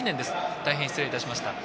大変失礼いたしました。